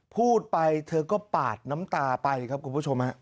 พูดไปเธอก็ปาดน้ำตาไปครับคุณผู้ชมฮะ